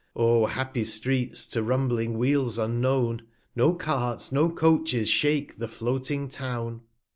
O happy Streets to rumbling Wheels unknown, No Carts, no Coaches shake the floating Town!